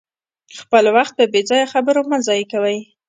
خپل وخت په بې ځایه خبرو مه ضایع کوئ.